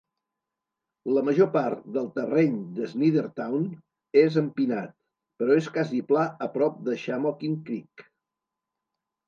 La major part del terreny de Snydertown és empinat però és casi pla a prop de Shamokin Creek.